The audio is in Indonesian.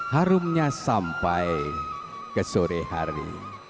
harumnya sampai ke sore hari